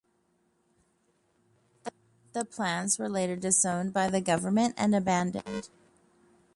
The plans were later disowned by the Government and abandoned.